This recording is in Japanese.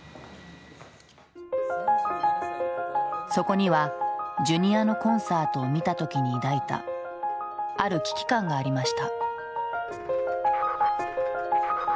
そこにはＪｒ．のコンサートを見た時に抱いたある危機感がありました。